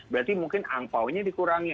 berarti mungkin angpaonya dikurangi